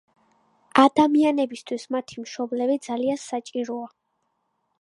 ადამიანებისათვის მათი მშობლები ძალიან საჭიროა